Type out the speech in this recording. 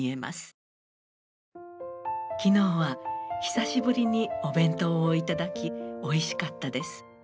「昨日は久しぶりにお弁当を頂きおいしかったです。